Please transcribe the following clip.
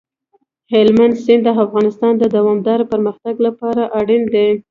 هلمند سیند د افغانستان د دوامداره پرمختګ لپاره اړین دي.